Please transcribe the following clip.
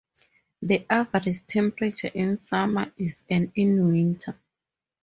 The average temperature in summer is and in winter.